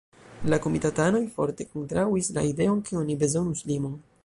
La komitatanoj forte kontraŭis la ideon ke oni bezonus limon.